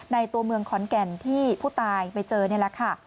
ตัวเมืองขอนแก่นที่ผู้ตายไปเจอนี่แหละค่ะ